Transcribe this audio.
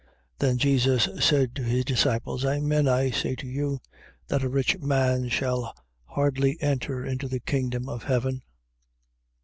19:23. Then Jesus said to his disciples: Amen, I say to you, that a rich man shall hardly enter into the kingdom of heaven.